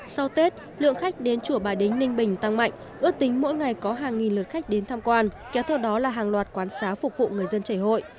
sau tết lượng khách đến chùa bài đính ninh bình tăng mạnh ước tính mỗi ngày có hàng nghìn lượt khách đến tham quan kéo theo đó là hàng loạt quán xá phục vụ người dân chảy hội